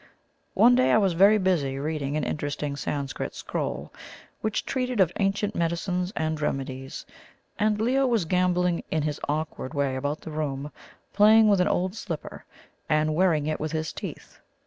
One day I was very busy reading an interesting Sanskrit scroll which treated of ancient medicines and remedies, and Leo was gambolling in his awkward way about the room, playing with an old slipper and worrying it with his teeth.